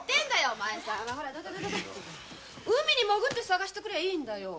お前さんは海に潜って捜してくりゃいいんだよ！